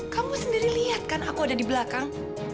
kamu sendiri lihat kan aku ada di belakang